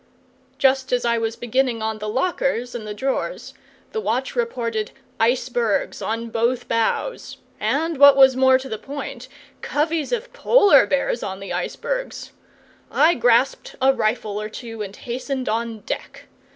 Just as I was beginning on the lockers and the drawers, the watch reported icebergs on both bows and, what was more to the point, coveys of Polar bears on the icebergs. I grasped a rifle or two, and hastened on deck.